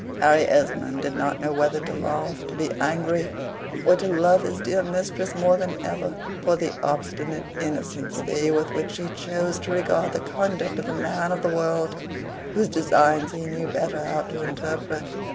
Harry Esmond did not know whether to laugh, to be angry, or to love his dear mistress more than ever for the obstinate innocency with which she chose to regard the conduct of a man of the world, whose designs he knew better how to interpret.